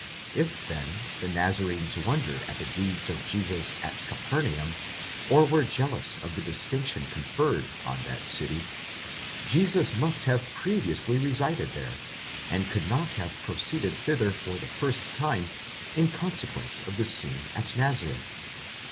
If, then, the Nazarenes wondered at the deeds of Jesus at Capernaum, or were jealous of the distinction conferred on that city, Jesus must have previously resided there, and could not have proceeded thither for the first time in consequence of the scene at Nazareth.